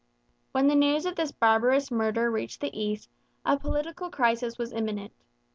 ] When the news of this barbarous murder reached the East, a political crisis was imminent.